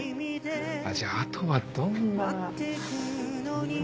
じゃああとはどんな。